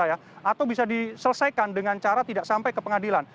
atau bisa diselesaikan dengan cara tidak sampai ke pengadilan